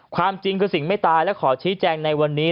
ความจริงคือสิ่งไม่ตายและขอชี้แจงในวันนี้